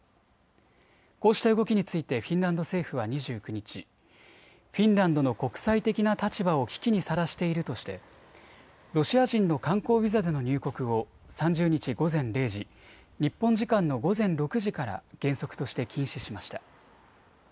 こうした動きについてフィンランド政府は２９日、フィンランドの国際的な立場を危機にさらしているとしてロシア人の観光ビザでの入国を３０日午前０時、日本時間の午前６時から原則として禁止しました。